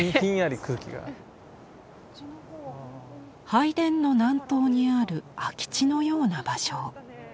拝殿の南東にある空き地のような場所。